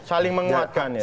saling menguatkan ya